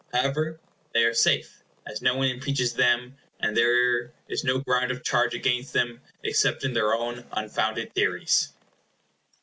However, they are safe, as no one impeaches them; and there is no ground of charge against them except in their own unfounded theories.